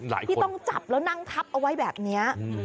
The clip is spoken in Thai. ที่ต้องจับแล้วนั่งทับเอาไว้แบบนี้